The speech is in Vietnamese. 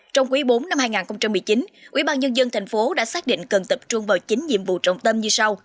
trong quý bốn năm hai nghìn một mươi chín ubnd tp đã xác định cần tập trung vào chín nhiệm vụ trọng tâm như sau